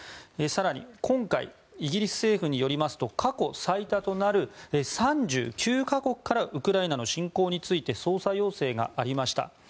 更に今回イギリス政府によりますと過去最多となる３９か国からウクライナの侵攻について捜査要請がありました。